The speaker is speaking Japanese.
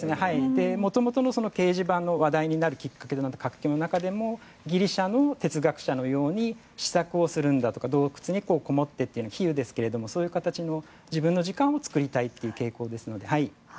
元々の掲示板のきっかけになるようなギリシャの哲学者のように支度をするんだとか洞窟にこもってと比喩ですがそういう形の自分の時間を作りたいという傾向ですので。